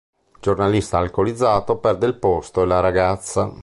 Giornalista alcolizzato perde il posto e la ragazza.